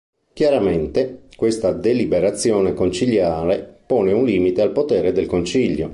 Chiaramente, questa deliberazione conciliare pone un limite al potere del concilio.